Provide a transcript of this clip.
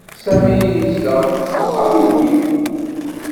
Sami yezdeɣ deg uxxam-nni.